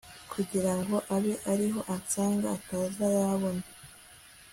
kugira ngo abe ariho ansanga ataza yabona